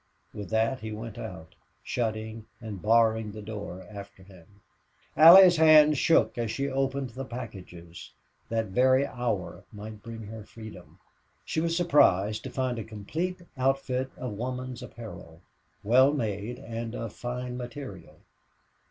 With that he went out, shutting and barring the door after him. Allie's hands shook as she opened the packages. That very hour might bring her freedom. She was surprised to find a complete outfit of woman's apparel, well made and of fine material.